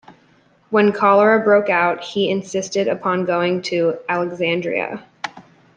When cholera broke out, he insisted upon going to Alexandria.